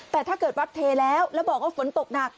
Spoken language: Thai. แต่ถ้าเกิดวัดเทแล้วแล้วบอกว่าฝนตกหนัก